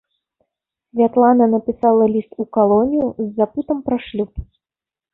Святлана напісала ліст у калонію з запытам пра шлюб.